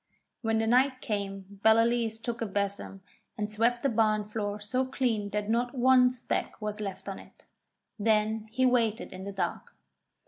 When the night came Ballaleece took a besom and swept the barn floor so clean that not one speck was left on it. Then he waited in the dark.